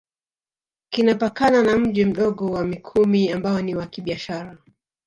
Kinapakana na Mji Mdogo wa Mikumi ambao ni wa kibiashara